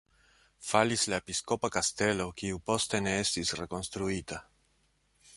Falis la episkopa kastelo, kiu poste ne estis rekonstruita.